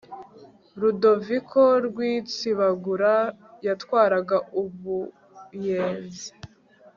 Ludoviko Rwitsibagura yatwaraga Ubuyenzi